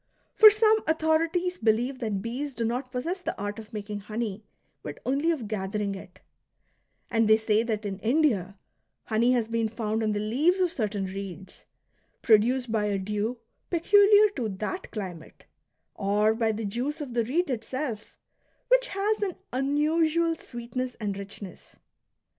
For some authorities believe that bees do not possess the art of making honey, but only of gathering it ; and they say that in India honey has been found on the leaves of certain reeds, produced by a dew peculiar to that climate, or by the juice of the reed itself, which has an unusual sweetness and richness.